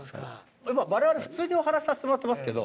われわれ普通にお話しさせてもらってますけど。